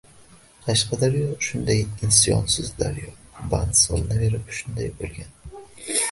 Qashqadaryo shunday isyonsiz daryo, band solinaverib shunday bo’lgan…